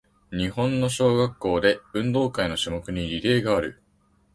日本の小学校で、運動会の種目にリレーがある。